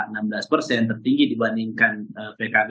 tertinggi dibandingkan pkb